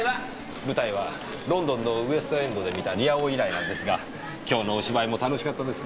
舞台はロンドンのウエストエンドで観た『リア王』以来なんですが今日のお芝居も楽しかったですね。